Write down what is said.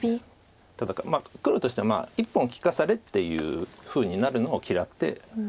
まあ黒としては１本利かされっていうふうになるのを嫌って。